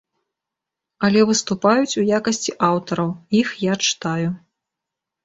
Але выступаюць у якасці аўтараў, іх я чытаю.